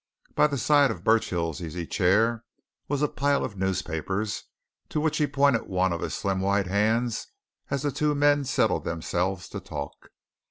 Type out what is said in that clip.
And by the side of Burchill's easy chair was a pile of newspapers, to which he pointed one of his slim white hands as the two men settled themselves to talk.